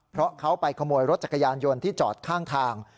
เพราะเขาไปขโมยรถจักรยานยนต์ที่จอดข้างทาง